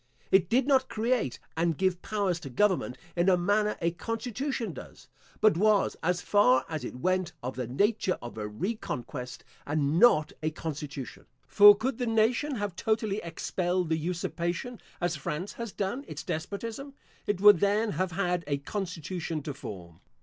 It did not create and give powers to government in a manner a constitution does; but was, as far as it went, of the nature of a re conquest, and not a constitution; for could the nation have totally expelled the usurpation, as France has done its despotism, it would then have had a constitution to form.